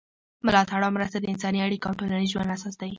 ملاتړ او مرسته د انساني اړیکو او ټولنیز ژوند اساس دی.